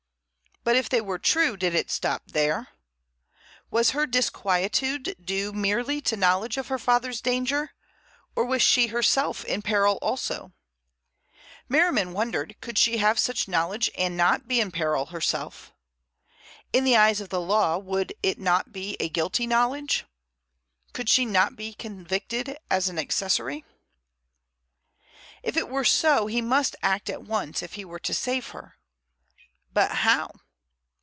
But if they were true did it stop there? Was her disquietude due merely to knowledge of her father's danger, or was she herself in peril also? Merriman wondered could she have such knowledge and not be in peril herself. In the eyes of the law would it not be a guilty knowledge? Could she not be convicted as an accessory? If it were so he must act at once if he were to save her. But how?